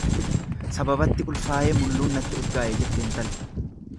Sababatti ulfaayee mulluun natti urgaaye jette intalli.